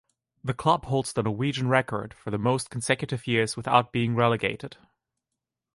The club holds the Norwegian record for the most consecutive years without being relegated.